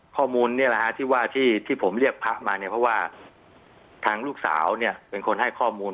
ข้อมูลที่ว่าที่ผมเรียกพระมาเนี่ยเพราะว่าทางลูกสาวเนี่ยเป็นคนให้ข้อมูล